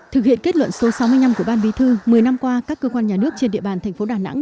thực hiện kết luận số sáu mươi năm của ban bí thư một mươi năm qua các cơ quan nhà nước trên địa bàn thành phố đà nẵng